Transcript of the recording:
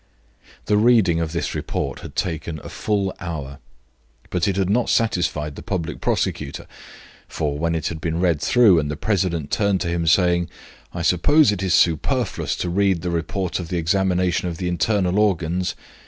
The reading of this report had taken a full hour, but it had not satisfied the public prosecutor, for, when it had been read through and the president turned to him, saying, "I suppose it is superfluous to read the report of the examination of the internal organs?"